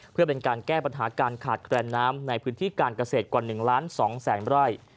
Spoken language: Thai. เพื่อเป็นการแก้ปัญหาการขาดแคลนน้ำในพื้นที่การเกษตรกว่า๑ล้าน๒แสนไร่